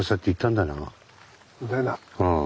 うん。